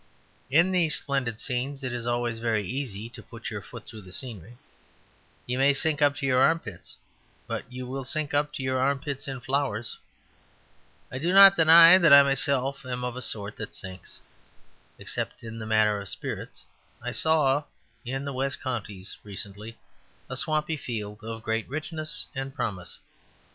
In these splendid scenes it is always very easy to put your foot through the scenery. You may sink up to your armpits; but you will sink up to your armpits in flowers. I do not deny that I myself am of a sort that sinks except in the matter of spirits. I saw in the west counties recently a swampy field of great richness and promise.